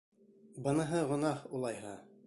Быныһы гонаһ, улайһа.